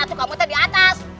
aduh kamu tadi atas